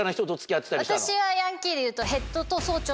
私はヤンキーでいうと。